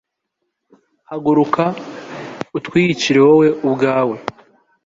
haguruka utwiyicire wowe ubwawe